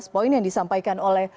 poin yang disampaikan oleh